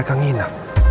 tak ada polygama